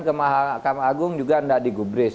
kemahkamah agung juga tidak digubris